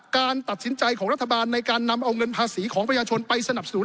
การตัดสินใจของรัฐบาลในการนำเอาเงินภาษีของประชาชนไปสนับสนุน